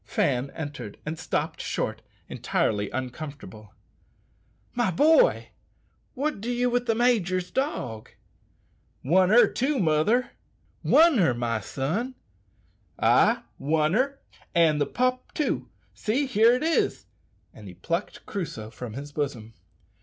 Fan entered and stopped short, evidently uncomfortable. "My boy, what do ye with the major's dog?" "Won her too, mother!" "Won her, my son?" "Ay, won her, and the pup too; see, here it is!" and he plucked Crusoe from his bosom.